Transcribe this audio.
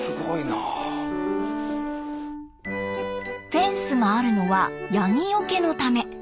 フェンスがあるのはヤギよけのため。